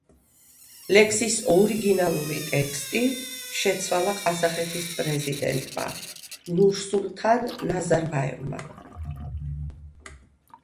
ლექსის ორიგინალური ტექსტი შეცვალა ყაზახეთის პრეზიდენტმა ნურსულთან ნაზარბაევმა.